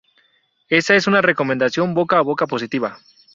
Esa es una recomendación boca a boca positiva.